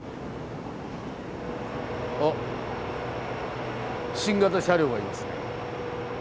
あ新型車両がいますね。